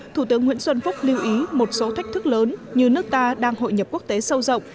thủ tướng nguyễn xuân phúc lưu ý một số thách thức lớn như nước ta đang hội nhập quốc tế sâu rộng